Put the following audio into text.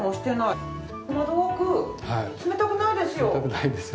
窓枠冷たくないですよ。